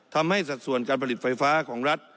สัดส่วนการผลิตไฟฟ้าของรัฐ